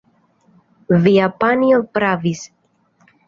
Via panjo pravis.